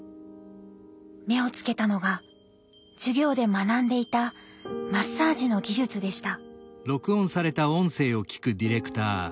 目をつけたのが授業で学んでいたマッサージの技術でした。